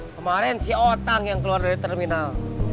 kemarin si otak yang keluar dari terminal